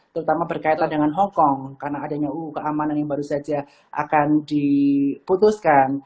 terutama berkaitan dengan hong kong karena adanya keamanan yang baru saja akan diputuskan